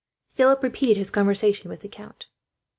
Philip repeated his conversation with the count.